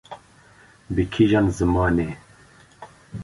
bi kîjan zimanê?